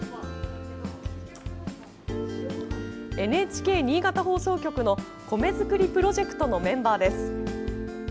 ＮＨＫ新潟放送局の米作りプロジェクトのメンバーです。